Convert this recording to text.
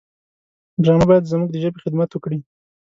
ډرامه باید زموږ د ژبې خدمت وکړي